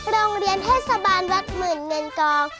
โรงเรียนเทศบาลวัดหมื่นเงินกอง